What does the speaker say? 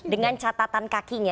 dengan catatan kakinya